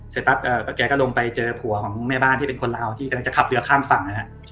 เสร็จปั๊บแกก็ลงไปเจอผัวของแม่บ้านที่เป็นคนลาวที่กำลังจะขับเรือข้ามฝั่งนะฮะ